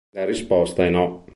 La risposta è "no".